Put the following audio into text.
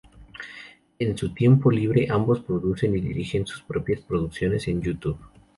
En su tiempo libre ambos producen y dirigen sus propias producciones en YouTube.